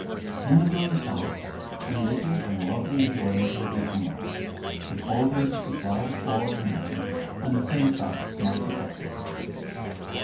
In the Guru's house religion and worldly enjoyment shall be combined — the caldron to supply the poor and needy and the scimitar to smite oppressors.'